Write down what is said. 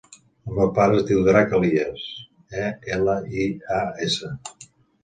El meu pare es diu Drac Elias: e, ela, i, a, essa.